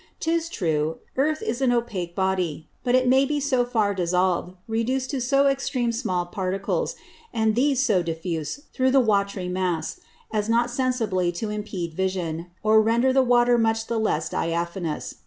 'Tis true, Earth is an Opake Body; but it may be so far dissolved, reduced to so extreme small Particles, and these so diffused through the watry Mass, as not sensibly to impede Vision, or render the Water much the less diaphanous.